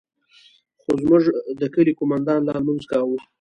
خو زموږ د کلي قومندان لا لمونځ کاوه.